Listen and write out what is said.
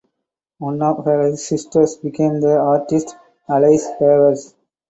One of her sisters became the artist Alice Havers.